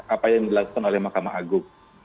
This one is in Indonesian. apa yang dilakukan oleh mahkamah agung